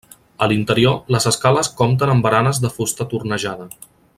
A l'interior, les escales compten amb baranes de fusta tornejada.